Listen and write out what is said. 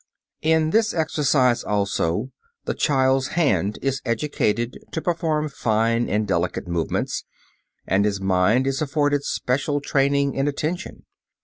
In this exercise also the child's hand is educated to perform fine and delicate movements and his mind is afforded special training in attention.